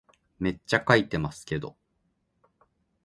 めっちゃ書いてますけど